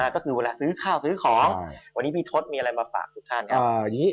ก็คือเวลาซื้อข้าวซื้อของวันนี้พี่ทศมีอะไรมาฝากทุกท่านครับ